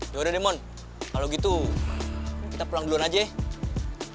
yaudah deh mon kalo gitu kita pulang duluan aja ya